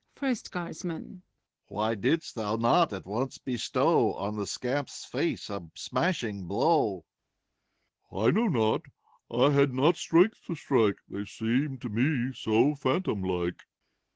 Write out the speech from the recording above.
FIB8T GUARDSMAN. Why didst thou not at onoe bestow On the seamp's face a smashing blowt SECOND. I know not, — had not strength to strike : They seemed to me so phantom like.